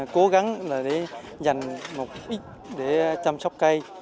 cố gắng là để dành một ít để chăm sóc cây